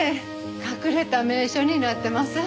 隠れた名所になってます。